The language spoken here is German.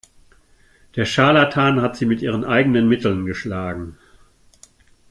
Der Scharlatan hat sie mit ihren eigenen Mitteln geschlagen.